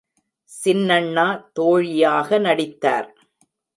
சின்னண்ணா தோழியாக நடித்தார்.